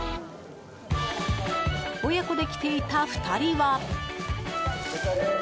親子で来ていた２人は。